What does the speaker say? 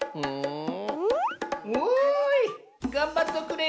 おいがんばっとくれよ。